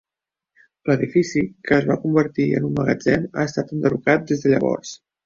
L'edifici, que es va convertir en un magatzem, ha estat enderrocat des de llavors.